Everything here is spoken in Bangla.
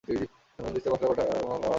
হামানদিস্তায় মসলা কোটা কমলার অভ্যাস ছিল না।